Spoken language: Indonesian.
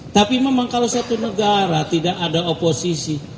tapi memang kalau satu negara tidak ada oposisi